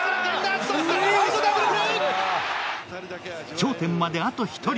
頂点まで、あと１人。